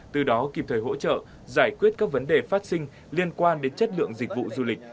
từ đó kịp thời hỗ trợ giải quyết các vấn đề phát sinh liên quan đến chất lượng dịch vụ du lịch